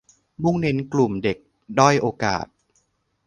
มุ่งเน้นกลุ่มเด็กด้อยโอกาส